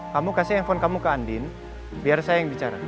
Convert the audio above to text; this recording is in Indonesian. kamu kasih handphone kamu ke andin biar saya yang bicara